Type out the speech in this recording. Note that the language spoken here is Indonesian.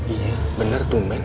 iya bener tuh men